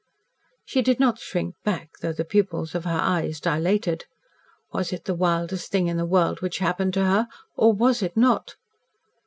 She did not shrink back, though the pupils of her eyes dilated. Was it the wildest thing in the world which happened to her or was it not?